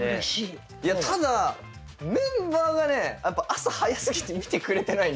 ただメンバーがねやっぱ朝早すぎて見てくれてないんですよ。